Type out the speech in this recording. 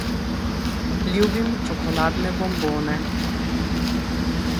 Ljubim čokoladne bombone.